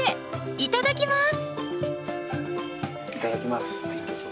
いただきます。